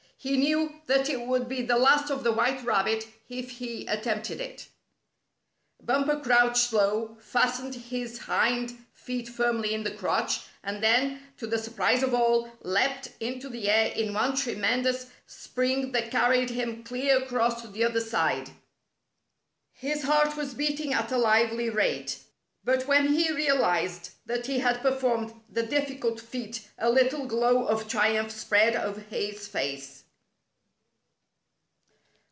He knew that it would be the last of the white rabbit if he attempted it. Bumper crouched low, fastened his hind feet firmly in the crotch, and then, to the surprise of all, leaped into the air in one tremendous spring that carried him clear across to the other side. His heart was beating at a lively rate, but when he realized that he had performed the diffi cult feat a little glow of triumph spread over his face.